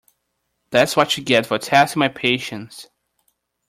That’s what you get for testing my patience.